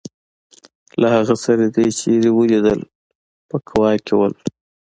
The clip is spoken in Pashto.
له هغې سره دي چېرې ولیدل په کوا کې ول.